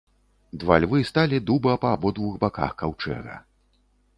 Два львы сталі дуба па абодвух баках каўчэга.